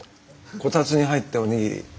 こたつに入ってお握り。